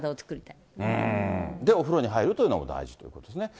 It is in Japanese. お風呂に入るというのも大事ということですね。